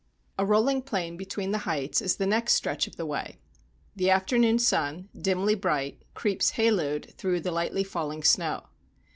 A rolling plain between the heights is the next stretch of the way. The afternoon sun, dimly bright, creeps haloed through the lightly falling snow.